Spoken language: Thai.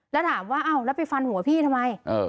แล้วถามว่าอ้าวแล้วไปฟันหัวพี่ทำไม